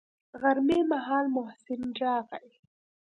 غرمې مهال محسن راغى.